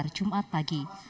pada hari jumat pagi